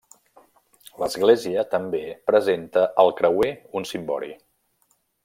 L'església, també, presenta al creuer un cimbori.